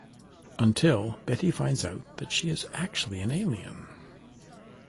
Until, Betty finds out that she is actually an alien.